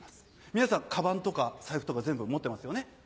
皆さんかばんとか財布とか全部持ってますよね。